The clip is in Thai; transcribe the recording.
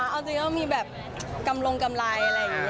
เอาจริงก็มีแบบกำลงกำไรอะไรอย่างนี้